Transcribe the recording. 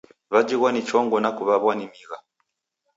Wajighwa ni chongo na kuw'aw'a ni migha.